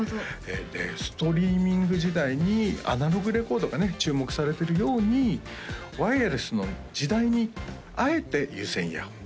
ストリーミング時代にアナログレコードが注目されてるようにワイヤレスの時代にあえて有線イヤホン